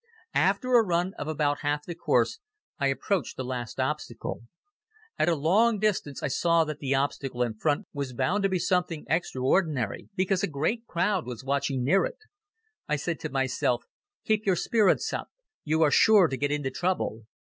After a run of about half the course I approached the last obstacle. At a long distance I saw that the obstacle in front was bound to be something extraordinary because a great crowd was watching near it. I said to myself: "Keep your spirits up. You are sure to get into trouble."